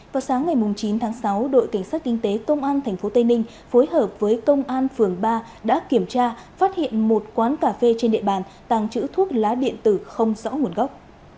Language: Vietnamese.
vào sáng ngày chín tháng sáu đội cảnh sát kinh tế công an tp tây ninh phối hợp với công an phường ba đã kiểm tra phát hiện một quán cà phê trên địa bàn tàng trữ thuốc lá điện tử không rõ nguồn gốc